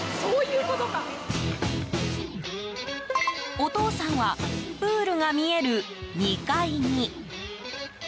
お父さんはプールが見える２階に。